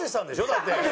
だって。